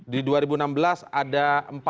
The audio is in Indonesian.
di dua ribu enam belas ada empat puluh lima